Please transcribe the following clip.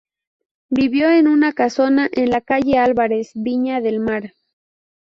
Vivió en una casona en la calle Álvarez, Viña del Mar.